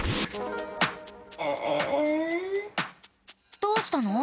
どうしたの？